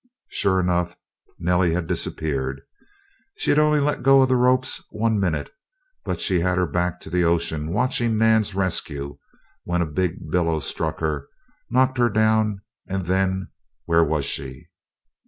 Sure enough, Nellie had disappeared. She had only let go the ropes one minute, but she had her back to the ocean watching Nan's rescue, when a big billow struck her, knocked her down, and then where was she?